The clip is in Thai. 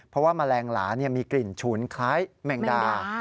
เพราะว่าแมลงหลามีกลิ่นฉุนคล้ายแมงดา